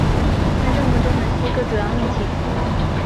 在正文中有七个主要命题。